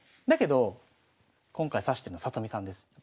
だけど今回指してるの里見さんです。